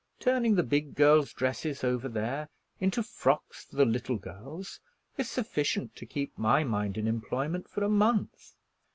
Turning the big girl's dresses over there into frocks for the little girls is sufficient to keep my mind in employment for a month.